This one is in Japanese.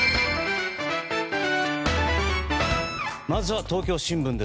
まずは東京新聞。